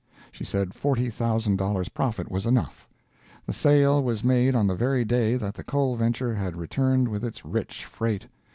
She said forty thousand dollars' profit was enough. The sale was made on the very day that the coal venture had returned with its rich freight.